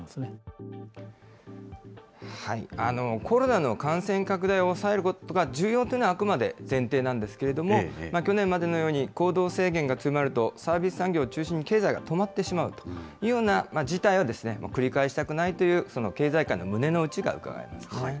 コロナの感染拡大を抑えることが重要というのは、あくまで前提なんですけれども、去年までのように行動制限が始まるとサービス産業を中心に、経済が止まってしまうというような事態は繰り返したくないという、その経済界の胸の内がうかがえますね。